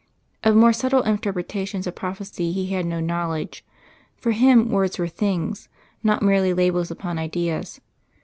_ Of more subtle interpretations of prophecy he had no knowledge. For him words were things, not merely labels upon ideas.